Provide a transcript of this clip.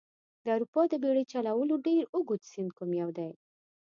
د اروپا د بیړیو چلولو ډېر اوږد سیند کوم یو دي؟